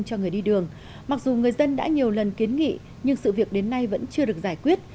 cho người đi đường mặc dù người dân đã nhiều lần kiến nghị nhưng sự việc đến nay vẫn chưa được giải quyết